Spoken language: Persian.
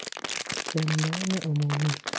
زندان عمومی